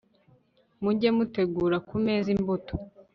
Mujye mutegura ku meza imbuto